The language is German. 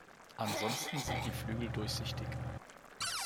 Ansonsten sind die Flügel durchsichtig.